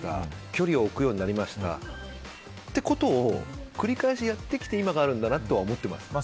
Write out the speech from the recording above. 距離を置くようになりましたってことを繰り返しやってきて今があるんだなとは思っています。